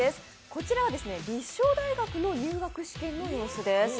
こちらは立正大学の入学試験の様子です。